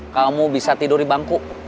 kamu bisa tidur di bangku